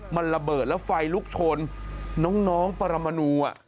มันระเบิดแล้วไฟลุกชนน้องปรมนู